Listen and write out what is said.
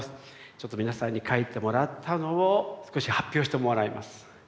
ちょっと皆さんに書いてもらったのを少し発表してもらいます。